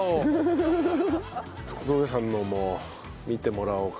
ちょっと小峠さんのも見てもらおうか。